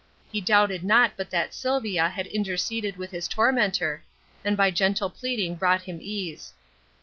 He doubted not but that Sylvia had interceded with his tormentor, and by gentle pleading brought him ease.